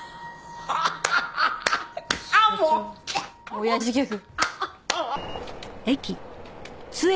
おやじギャグ。